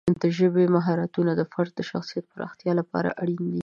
د ژبې مهارتونه د فرد د شخصیت پراختیا لپاره اړین دي.